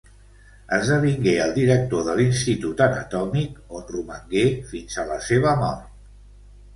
Esdevingué el director de l'Institut Anatòmic on romangué fins a la seva mort.